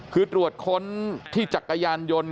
คือตรวจค้นที่จักรยานยนต์